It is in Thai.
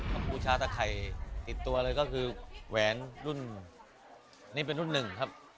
แปลกธุระศาสตร์ไข่ติดตัวเลยก็คือแหวนรุ่นนี้เป็นรุ่นหนึ่งครับ